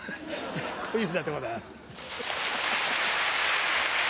小遊三でございます。